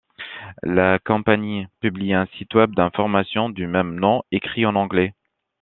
La compagnie publie un site web d'informations du même nom, écrit en anglais.